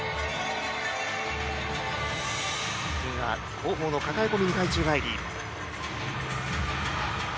後方の抱え込み２回宙返り。